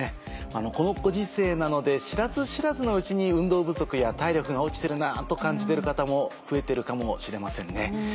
このご時世なので知らず知らずのうちに運動不足や体力が落ちてるなと感じてる方も増えてるかもしれませんね。